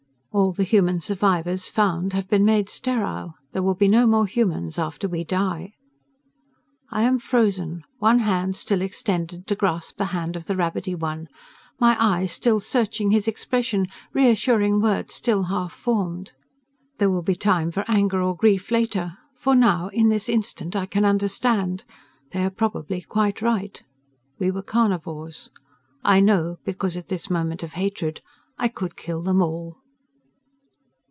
All the human survivors found have been made sterile. There will be no more humans after we die. I am frozen, one hand still extended to grasp the hand of the rabbity one, my eyes still searching his expression, reassuring words still half formed. There will be time for anger or grief later, for now, in this instant, I can understand. They are probably quite right. We were carnivores. I know, because, at this moment of hatred, I could kill them all.